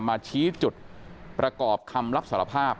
มาชี้จุดประกอบคำรับสารภาพ